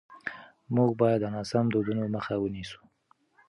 موږ باید د ناسم دودونو مخه ونیسو.